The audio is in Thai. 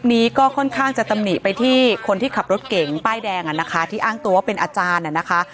นี้ก็ค่อนข้างจะตำหนิไปที่คนที่ขับรถเก่งป้ายแดงอ่ะนะคะที่อ้างตัวว่าเป็นอาจารย์น่ะนะคะ